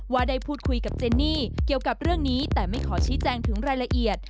ว่าได้พูดคุยกับเจนนี่เกี่ยวกับเรื่องนี้แต่ไม่ขอชี้แจงถึงรายละเอียด